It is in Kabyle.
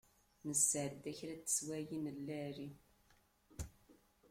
Nesεedda kra n teswiεin n lεali.